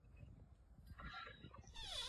此行动为后来入侵义大利揭开续幕。